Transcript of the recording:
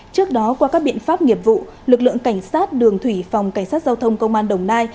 trước đó qua các biện pháp nghiệp vụ lực lượng cảnh sát đường thủy phòng cảnh sát giao thông công an đồng nai